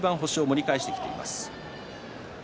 中盤、星を盛り返してきています。